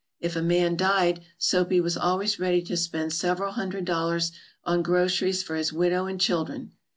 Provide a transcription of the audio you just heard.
If a man died, Soapy was al ways ready to spend several hundred dollars on groceries for his widow and children.